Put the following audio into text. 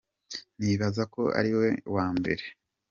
"Nibaza ko ari we wa mbere.